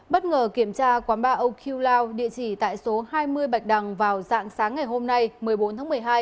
bất ngờ kiểm tra quán ba okil lao địa chỉ tại số hai mươi bạch đằng vào dạng sáng ngày hôm nay một mươi bốn tháng một mươi hai